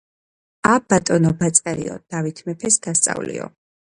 ა,ბატონო ბაწარიო, დავით მეფეს გასწავლიო.